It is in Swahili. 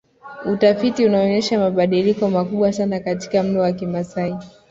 Utafiti unaonyesha mabadiliko makubwa sana katika mlo wa Kimasai